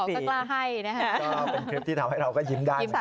คุณลุงก็ขอจะกล้าให้